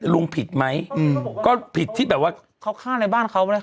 แมวก็หนึ่งชีวิตแมวก็หนึ่งชีวิต